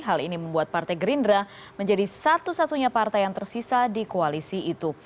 hal ini membuat partai gerindra menjadi satu satunya partai yang tersisa di koalisi itu